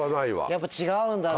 やっぱ違うんだね。